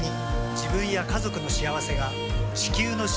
自分や家族の幸せが地球の幸せにつながっている。